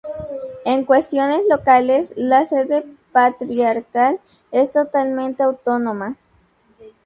En cuestiones locales, la sede patriarcal es totalmente autónoma.